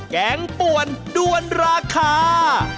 แกงป่วนด้วนราคา